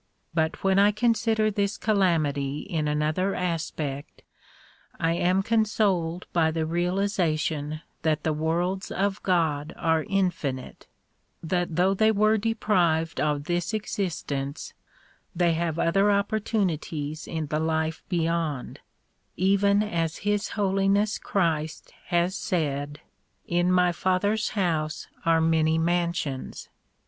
But when I consider this calamity in another aspect, I am consoled by the realization that the worlds of God are infinite; that though they were deprived of this existence they have other opportunities in the life beyond, even as His Holiness Christ has said "In my father's house are many mansions."